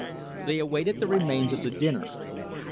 They awaited the remains of the dinner.